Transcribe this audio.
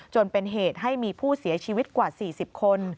จนเป็นเหตุให้มีผู้เสียชีวิตกว่า๔๐คน